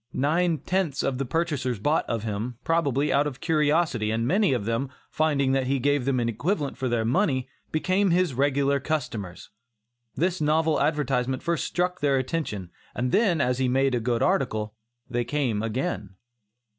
Nine tenths of the purchasers bought of him, probably, out of curiosity, and many of them, finding that he gave them an equivalent for their money, became his regular customers. This novel advertisement first struck their attention, and then as he made a good article, they came again.